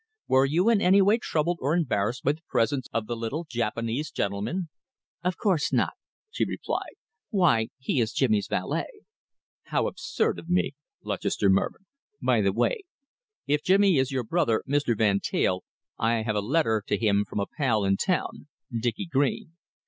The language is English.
Were you in any way troubled or embarrassed by the presence of the little Japanese gentleman?" "Of course not," she replied. "Why, he is Jimmy's valet." "How absurd of me!" Lutchester murmured. "By the bye, if Jimmy is your brother Mr. Van Teyl I have a letter to him from a pal in town Dicky Green.